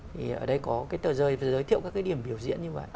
thì ở đây có cái tờ rơi giới thiệu các cái điểm biểu diễn như vậy